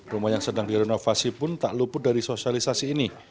rumah yang sedang direnovasi pun tak luput dari sosialisasi ini